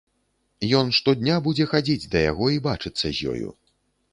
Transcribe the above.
Ён штодня будзе хадзіць да яго і бачыцца з ёю.